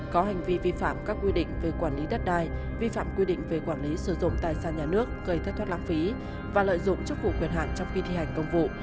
có hành vi vi phạm các quy định về quản lý đất đai vi phạm quy định về quản lý sử dụng tài sản nhà nước gây thất thoát lãng phí và lợi dụng chức vụ quyền hạn trong khi thi hành công vụ